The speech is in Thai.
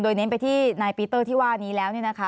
โดยเน้นไปที่นายปีเตอร์ที่ว่านี้แล้ว